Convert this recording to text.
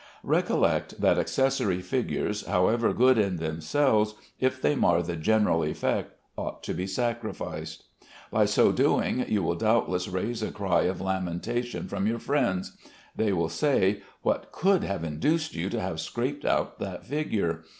Recollect that accessory figures, however good in themselves, if they mar the general effect, ought to be sacrificed. By so doing you will doubtless raise a cry of lamentation from your friends. They will say, "What could have induced you to have scraped out that figure?